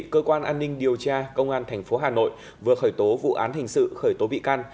cơ quan an ninh điều tra công an tp hà nội vừa khởi tố vụ án hình sự khởi tố bị can